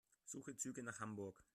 Suche Züge nach Hamburg.